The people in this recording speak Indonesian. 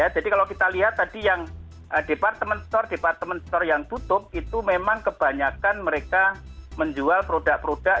jadi kalau kita lihat tadi yang department store department store yang tutup itu memang kebanyakan mereka menjual produk produk